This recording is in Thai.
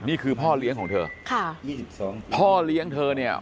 นี่คือพ่อเลี้ยงของเธอค่ะพ่อเลี้ยงเธอเนี่ย